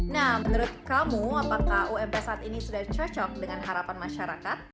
nah menurut kamu apakah ump saat ini sudah cocok dengan harapan masyarakat